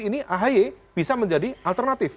ini ahy bisa menjadi alternatif